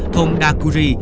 thôn đa cú ri